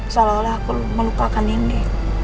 salah alah aku melupakan nindi